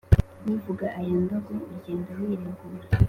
uvuga aya ndongo ugenda wiregura